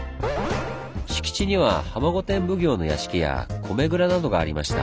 敷地には浜御殿奉行の屋敷や米蔵などがありました。